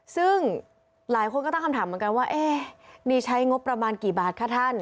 ซึ่งหลายคนก็ตั้งคำถามเหมือนกันว่าเอ๊ะนี่ใช้งบประมาณกี่บาทคะท่าน